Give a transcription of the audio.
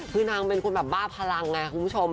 คือนางเป็นคนแบบบ้าพลังไงคุณผู้ชม